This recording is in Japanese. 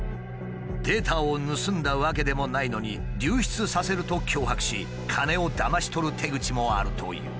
データを盗んだわけでもないのに「流出させる」と脅迫し金をだまし取る手口もあるという。